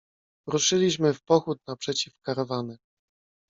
"Ruszyliśmy w pochód naprzeciw karawany."